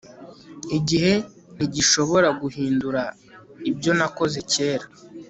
igihe ntigishobora guhindura ibyo nakoze kera